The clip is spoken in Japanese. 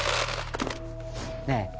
ねえ？